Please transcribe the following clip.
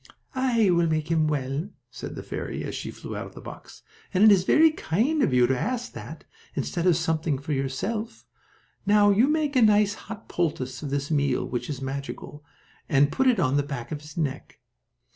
"I will make him well," said the fairy, as she flew out of the box, "and it is very kind of you to ask that, instead of something for yourself. Now, you make a nice hot poultice of this meal, which is magical, and put it on the back of his neck.